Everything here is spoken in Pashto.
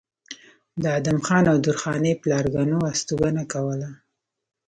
د ادم خان او درخانۍ پلرګنو استوګنه کوله